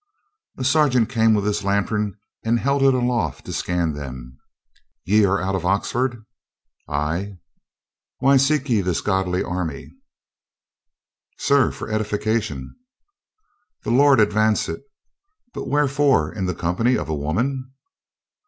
A sergeant came with his lantern and held it aloft to scan them. "Ye are out of Oxford?" "Ay." "Why seek ye this godly army?" "Sir, for edification." "The Lord advance it! But wherefore in the company of a woman?"